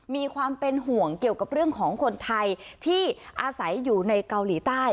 มีความเป็นห่วงเกี่ยวกับเรื่องของคนไทยที่อาศัยอยู่ในเกาหลีใต้